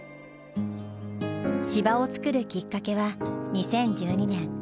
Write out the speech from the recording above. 芝を作るきっかけは２０１２年。